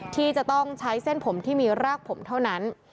ที่จะต้องใช้เส้นผมที่มีรากผมเท่านั้น